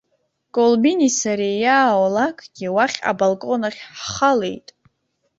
Колбини сареи иааулакгьы уахь абалкон ахь ҳхалеит.